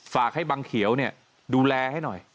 ฝากให้บังเขียวดูแลให้หน่อย